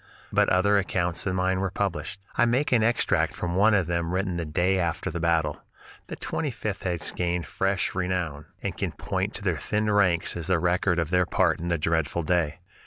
But other accounts than mine were published. I make an extract from one of them written the day after the battle: "The Twenty fifth has gained fresh renown, and can point to their thinned ranks as the record of their part in that dreadful fray.